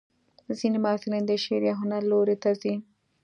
ځینې محصلین د شعر یا هنر لوري ته ځي.